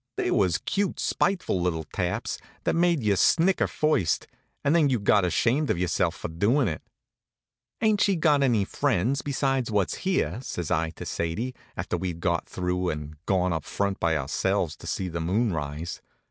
They was cute, spiteful little taps, that made you snicker first, and then you got ashamed of yourself for doin' it. "Ain't she got any friends besides what's here?" says I to Sadie, after we'd got through and gone up front by ourselves to see the moon rise.